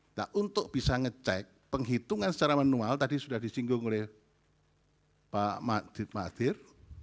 nah untuk bisa ngecek penghitungan secara manual tadi sudah disinggung oleh pak mahathir